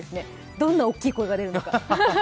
どんな大きい声が出るか。